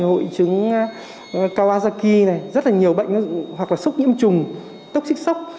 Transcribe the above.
hội trứng kawasaki này rất là nhiều bệnh hoặc là sốc nhiễm trùng tốc xích sốc